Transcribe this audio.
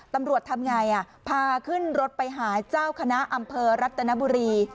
ตำรวจทำไงพาขึ้นรถไปหาเจ้าคณะอำเภอรัตนบุรี